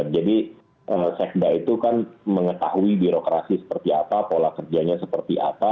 jadi sekda itu kan mengetahui birokrasi seperti apa pola kerjanya seperti apa